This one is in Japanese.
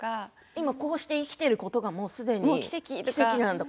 今こうして生きていることがすでに奇跡なんだ。